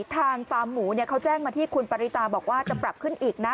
ฟาร์มหมูเขาแจ้งมาที่คุณปริตาบอกว่าจะปรับขึ้นอีกนะ